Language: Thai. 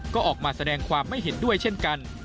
ก็ออกมาแสดงความไม่เห็นด้วยเช่นกัน